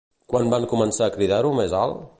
Quan van començar a cridar-ho més alt?